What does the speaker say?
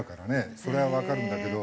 それはわかるんだけど。